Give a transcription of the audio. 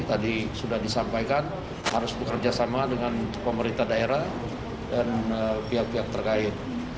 tadi sudah disampaikan harus bekerja sama dengan pemerintah daerah dan pihak pihak terkait